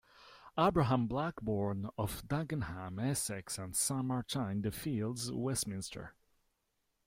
Abraham Blackborne of Dagenham, Essex, and Saint Martin-in-the-Fields, Westminster.